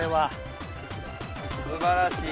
素晴らしい。